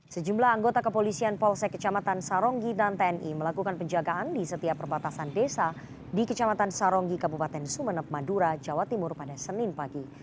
sejumlah anggota kepolisian polsek kecamatan saronggi dan tni melakukan penjagaan di setiap perbatasan desa di kecamatan saronggi kabupaten sumeneb madura jawa timur pada senin pagi